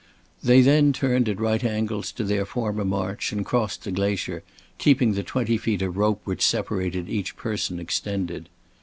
They then turned at right angles to their former march and crossed the glacier, keeping the twenty feet of rope which separated each person extended.